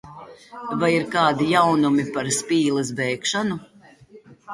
Vai ir kādi jaunumi par Spīles bēgšanu?